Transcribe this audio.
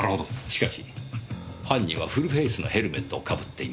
しかし犯人はフルフェースのヘルメットをかぶっていました。